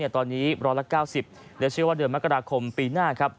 ตอนนี้๑๙๐และเชื่อว่าเดือนมกราคมปีหน้า